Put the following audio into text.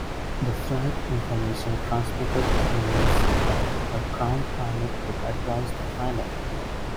The flight information transmitted meant that a "ground pilot" could advise the pilot.